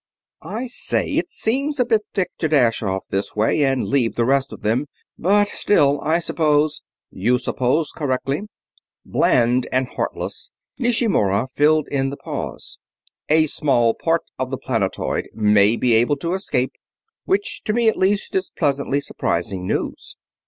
"I say, it seems a bit thick to dash off this way and leave the rest of them; but still, I suppose...." "You suppose correctly." Bland and heartless Nishimura filled in the pause. "A small part of the planetoid may be able to escape; which, to me at least, is pleasantly surprising news.